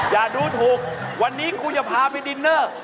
อย่าดูถูกวันนี้กูจะพาไปดินเนอร์